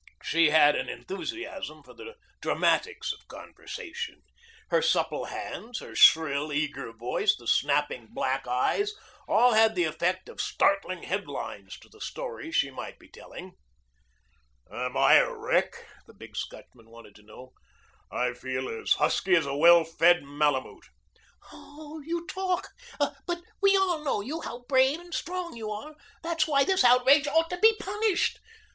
She had an enthusiasm for the dramatics of conversation. Her supple hands, her shrill, eager voice, the snapping black eyes, all had the effect of startling headlines to the story she might be telling. "Am I a wreck?" the big Scotchman wanted to know. "I feel as husky as a well fed malamute." "Oh, you talk. But we all know you how brave and strong you are. That's why this outrage ought to be punished.